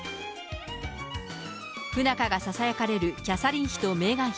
不仲がささやかれるキャサリン妃とメーガン妃。